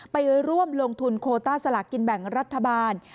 ไปร่วมลงทุนโคต้าสลากกินแบ่งรัฐบาล